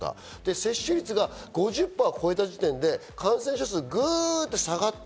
接種率が５０％を超えた時点で感染者数がぐっと下がった。